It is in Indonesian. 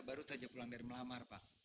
baru saja pulang dari melamar pak